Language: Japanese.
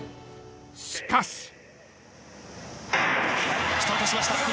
［しかし］